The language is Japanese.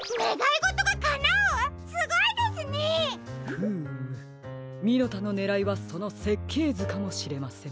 フームミノタのねらいはそのせっけいずかもしれません。